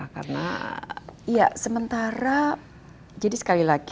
karena sementara jadi sekali lagi